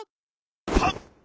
はっ！